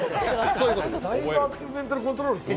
だいぶアクティブメンタルコントロールですよ。